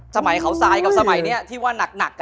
สมัยเขาทรายกับสมัยนี้ที่ว่านัก